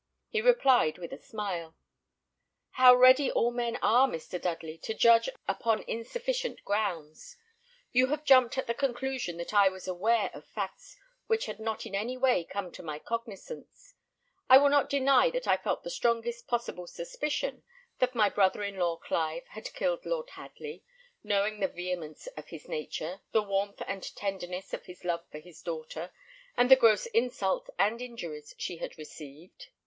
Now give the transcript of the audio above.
He replied, with a smile, "How ready all men are, Mr. Dudley, to judge upon insufficient grounds! You have jumped at the conclusion that I was aware of facts which had not in any way come to my cognizance. I will not deny that I felt the strongest possible suspicion that my brother in law Clive had killed Lord Hadley, knowing the vehemence of his nature, the warmth and tenderness of his love for his daughter, and the gross insults and injuries she had received.